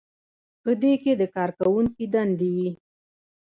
په دې کې د کارکوونکي دندې وي.